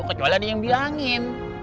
kecuali ada yang bilangin